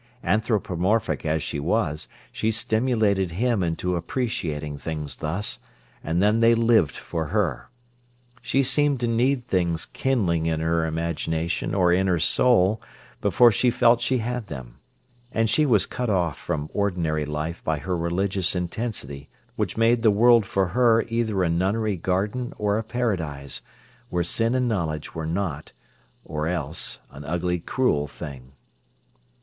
Anthropomorphic as she was, she stimulated him into appreciating things thus, and then they lived for her. She seemed to need things kindling in her imagination or in her soul before she felt she had them. And she was cut off from ordinary life by her religious intensity which made the world for her either a nunnery garden or a paradise, where sin and knowledge were not, or else an ugly, cruel thing.